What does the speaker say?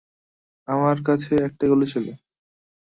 আমার কাছে একটাই গুলি ছিল।